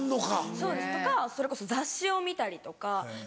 そうですとかそれこそ雑誌を見たりとか。